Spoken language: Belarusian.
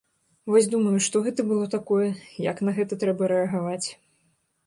Вось думаю, што гэта было такое, як на гэта трэба рэагаваць.